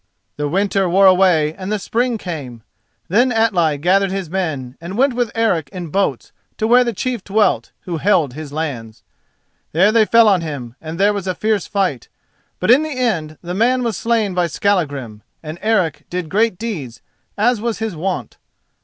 The winter wore away and the spring came. Then Atli gathered his men and went with Eric in boats to where the chief dwelt who held his lands. There they fell on him and there was a fierce fight. But in the end the man was slain by Skallagrim, and Eric did great deeds, as was his wont.